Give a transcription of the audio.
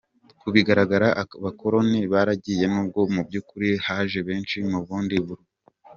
Ku bigaragara abakoloni baragiye n’ubwo mu by’ukuri haje benshi mu bundi buryo.